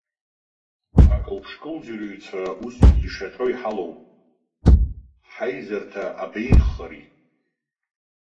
Акылԥшкылӡырҩцәа усгьы ишаҟьо иҳалоуп, ҳаи-зарҭа абеиӷьхари?